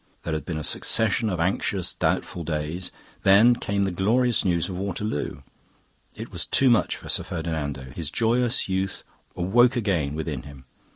There had been a succession of anxious, doubtful days; then came the glorious news of Waterloo. It was too much for Sir Ferdinando; his joyous youth awoke again within him.